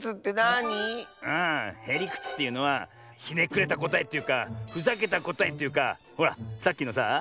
ああへりくつっていうのはひねくれたこたえというかふざけたこたえというかほらさっきのさあ